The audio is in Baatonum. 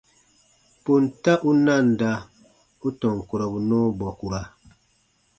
Ponta u nanda u tɔn kurɔbu nɔɔ bɔkura.